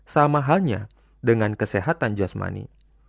sama halnya dengan kesehatan jasmani